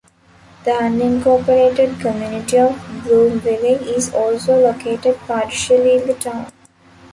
The unincorporated community of Bloomville is also located partially in the town.